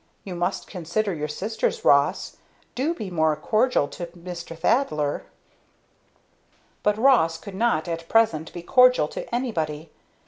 You must consider your sisters, Ross! Do be more cordial to Mr. Thaddler." But Ross could not at present be cordial to anybody.